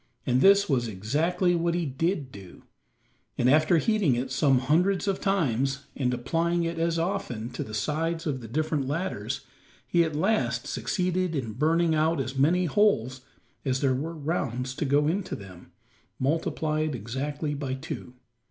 And this was exactly what he did do; and after heating it some hundreds of times, and applying it as often to the sides of the different ladders, he at last succeeded in burning out as many holes as there were rounds to go into them, multiplied exactly by two.